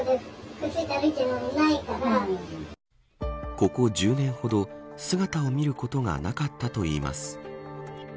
ここ１０年ほど姿を見ることがなかったといいます。